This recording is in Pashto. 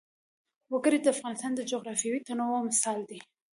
وګړي د افغانستان د جغرافیوي تنوع مثال دی.